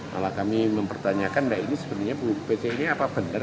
malah kami mempertanyakan ini sebenarnya bu pc ini apa benar